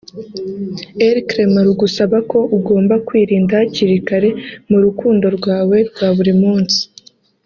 Elcrema rugusaba ko ugomba kwirinda hakiri kare mu rukundo rwawe rwa buri munsi